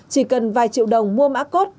chỉ cần vài triệu đồng mua mã code